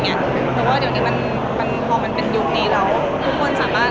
แต่ว่าเดี๋ยวหนิพอมันเป็นยุคนี้แล้วรุกมหลวงสามารถ